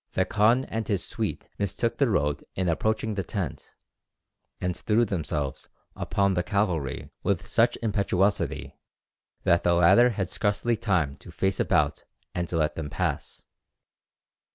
The khan and his suite mistook the road in approaching the tent, and threw themselves upon the cavalry with such impetuosity that the latter had scarcely time to face about and let them pass.